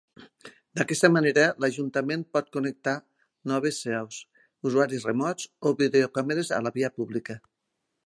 D'aquesta manera l'ajuntament pot connectar noves seus, usuaris remots o videocàmeres a la via pública.